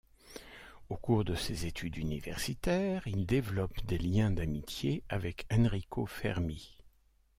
Au cours de ses études universitaires, il développe des liens d'amitié avec Enrico Fermi.